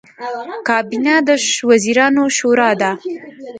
کابینه د وزیرانو شورا ده